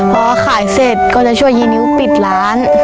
พอขายเสร็จก็จะช่วยยีนิ้วปิดร้าน